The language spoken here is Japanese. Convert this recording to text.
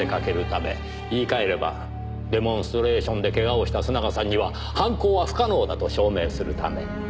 言い換えればデモンストレーションでけがをした須永さんには犯行は不可能だと証明するため。